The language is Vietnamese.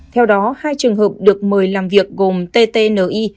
theo đó hai trường hợp được mời làm việc gồm tti